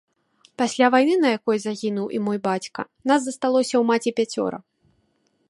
Пасля вайны, на якой загінуў і мой бацька, нас засталося ў маці пяцёра.